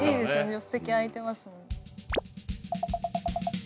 助手席空いてますもんね。